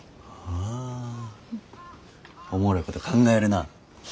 あおもろいこと考えるなぁ。